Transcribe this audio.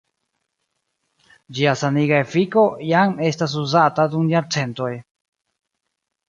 Ĝia saniga efiko jam estas uzata dum jarcentoj.